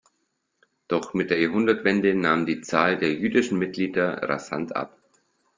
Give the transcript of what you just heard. Doch mit der Jahrhundertwende nahm die Zahl der jüdischen Mitglieder rasant ab.